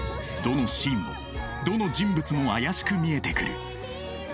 どのシーンもどの人物も怪しく見えてくる。